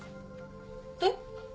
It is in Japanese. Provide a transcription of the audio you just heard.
えっ？